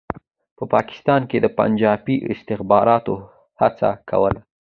په پاکستان کې پنجابي استخباراتو هڅه کوله.